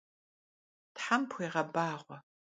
Them pxuiğebağue!